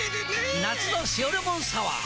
夏の「塩レモンサワー」！